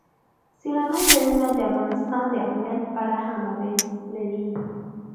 سیلانی ځایونه د افغانستان د امنیت په اړه هم اغېز لري.